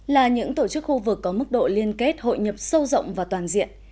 là những tổ chức khu vực có mức độ liên kết hội nhập sâu rộng và toàn diện